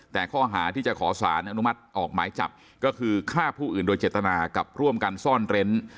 แต่ข้อหาที่จะขอสารอนุมัติออกหมายจับก็คือฆ่าผู้อื่นโดยเจตนากับร่วมกันซ่อนเร้น